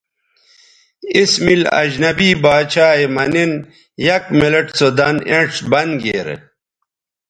اس مِل اجنبی باڇھا یے مہ نِن یک منٹ سو دَن اینڇ بند گیرے